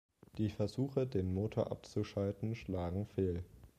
Die Versuche, den Motor abzuschalten, schlagen fehl.